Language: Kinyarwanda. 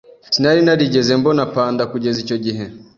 Sinari narigeze mbona panda kugeza icyo gihe.